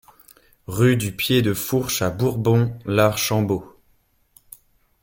Rue du Pied de Fourche à Bourbon-l'Archambault